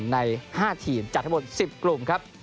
ใน๕ทีมจัดทั้งหมด๑๐กลุ่มครับ